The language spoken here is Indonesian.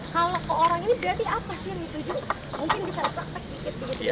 kalau ke orang ini berarti apa sih yang dituju